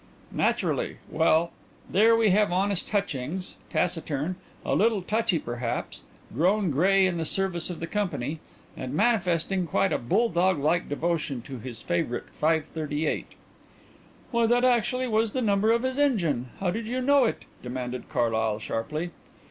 "Naturally. Well, there we have honest Hutchins: taciturn, a little touchy perhaps, grown grey in the service of the company, and manifesting quite a bulldog like devotion to his favourite 538." "Why, that actually was the number of his engine how do you know it?" demanded Carlyle sharply.